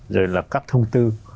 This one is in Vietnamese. rồi là các thông tư